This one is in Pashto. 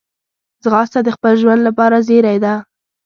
ځغاسته د خپل ژوند لپاره زېری ده